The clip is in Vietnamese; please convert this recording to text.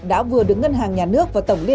đã vừa đứng ngân hàng nhà nước và tổng lý